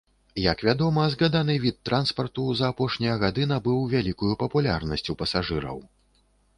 Як вядома, згаданы від транспарту за апошнія гады набыў вялікую папулярнасць у пасажыраў.